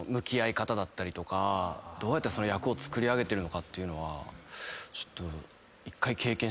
どうやってその役を作り上げてるのかっていうのはちょっと。